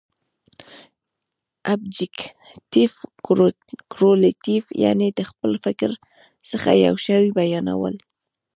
ابجګټف کورلیټف، یعني د خپل فکر څخه یو شي بیانول.